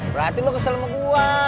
berarti lo kesel sama gue